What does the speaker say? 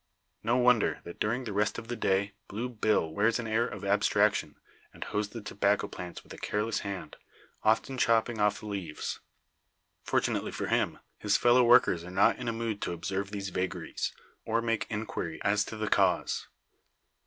No wonder that during the rest of the day Blue Bill wears an air of abstraction, and hoes the tobacco plants with a careless hand, often chopping off the leaves. Fortunately for him, his fellow workers are not in a mood to observe these vagaries, or make inquiry as to the cause.